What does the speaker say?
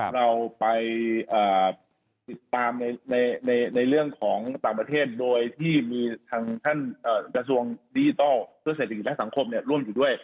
เราไปติดตามในเรื่องของต่างประเทศโดยที่มีทางท่านกระทรวงดิจิทัลเพื่อเศรษฐกิจและสังคมร่วมอยู่ด้วย